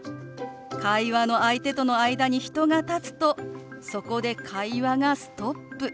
会話の相手との間に人が立つとそこで会話がストップ。